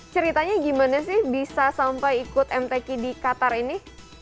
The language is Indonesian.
ceritanya gimana sih bisa sampai ikut mtk di qatar ini